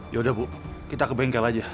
yaudah bu kita ke bengkel aja